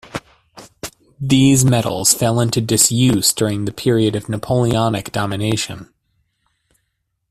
These medals fell into disuse during the period of Napoleonic domination.